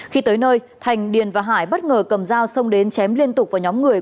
khi tới nơi thành điền và hải bất ngờ cầm dao xông đến chém liên tục vào nhóm người